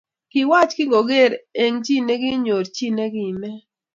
Kiwach kingoret eng chi nikinyor chi nikimee